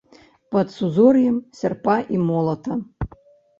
Пад сузор'ем сярпа і молата.